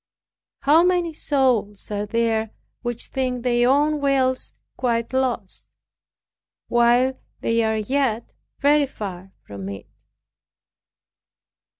How many souls are there which think their own wills quite lost, while they are yet very far from it!